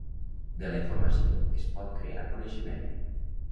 De la informació, es pot crear coneixement.